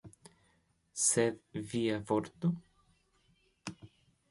Sed via vorto?